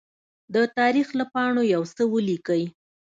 د تاریخ له پاڼو يوڅه ولیکئ!